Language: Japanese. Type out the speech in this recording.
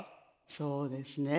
そうですね。